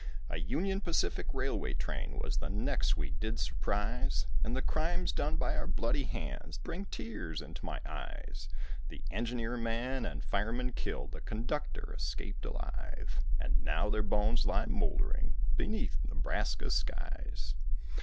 A Union Pacific railway train was the next we did surprise, And the crimes done by our bloody hands bring tears into my eyes. The engineerman and fireman killed, the conductor escaped alive, And now their bones lie mouldering beneath Nebraska's skies.